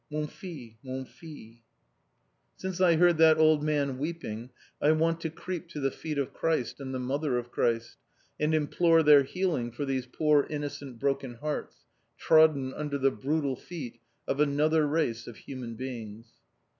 "Mon fils! Mon fils!" Since I heard that old man weeping I want to creep to the feet of Christ and the Mother of Christ, and implore Their healing for these poor innocent broken hearts, trodden under the brutal feet of another race of human beings.